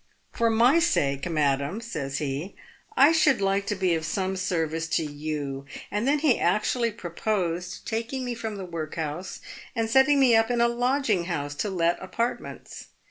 ' For my sake, madam,' says he, ' I should like to be of some service to you,' and then he actually proposed taking me from the workhouse, and setting me up in a lodging house to let apartments.